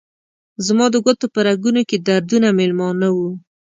زما د ګوتو په رګونو کې دردونه میلمانه وه